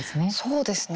そうですね